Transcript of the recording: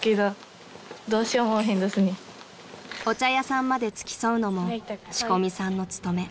［お茶屋さんまで付き添うのも仕込みさんの務め］